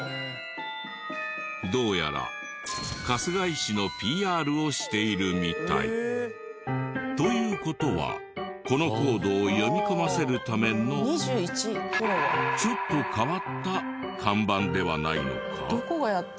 どうやら春日井市のＰＲをしているみたい。という事はこのコードを読み込ませるためのちょっと変わった看板ではないのか？